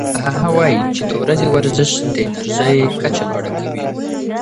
هغه وايي چې د ورځې ورزش د انرژۍ کچه لوړه کوي.